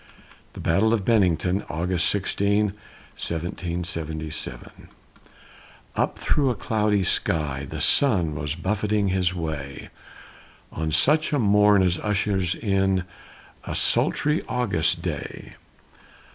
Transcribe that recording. THE BATTLE OF BENNINGTON [August 16, 1777] Up through a cloudy sky, the sun Was buffeting his way, On such a morn as ushers in A sultry August day.